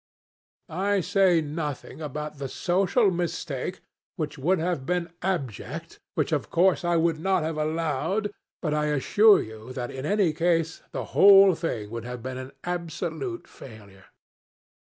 I say nothing about the social mistake, which would have been abject—which, of course, I would not have allowed—but I assure you that in any case the whole thing would have been an absolute failure."